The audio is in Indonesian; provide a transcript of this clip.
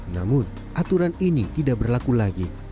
namun aturan ini tidak berlaku lagi